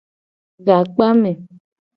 Gakpame.